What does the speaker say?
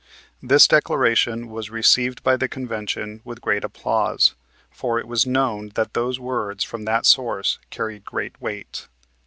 This declaration was received by the convention with great applause, for it was known that those words from that source carried great weight.